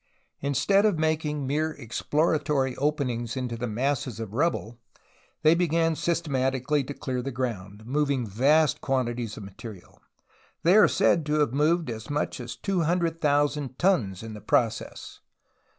Instead of making mere exploratory openings into the masses of rubble they began systematically to clear the ground, moving vast quantities of material — they are said to have moved as much as 200,000 tons in the process.